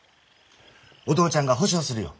お父ちゃんが保証するよ。